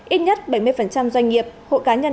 ít nhất bảy mươi doanh nghiệp hộ cá nhân